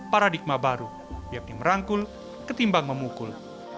paradigma baru biar tidak merangkul ketimbang memukul